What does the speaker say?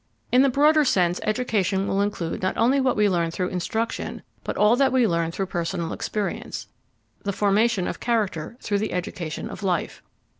In the broader sense, education will include not only what we learn through instruction, but all that we learn through personal experience the formation of character through the education of life.